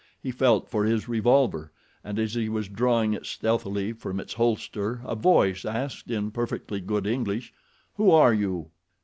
He felt for his revolver, and as he was drawing it stealthily from its holster a voice asked in perfectly good English, "Who are you?"